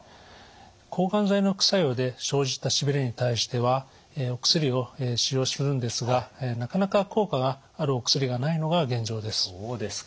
抗がん剤の副作用で生じたしびれに対してはお薬を使用するんですがなかなか効果があるお薬がないのが現状です。